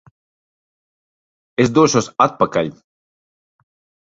Es došos atpakaļ!